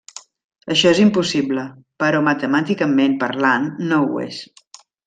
Això és impossible però matemàticament parlant no ho és.